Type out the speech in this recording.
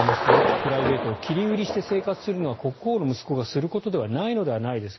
プライベートを切り売りして生活するのは国王の息子がすることではないのではないか。